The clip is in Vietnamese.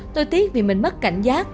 tôi tiếc vì mình mất cảnh giác